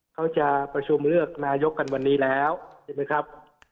เขาจะประชุมเลือกนายกกันวันนี้แล้วใช่ไหมครับ